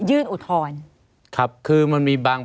หรือว่าแม่ของสมเกียรติศรีจันทร์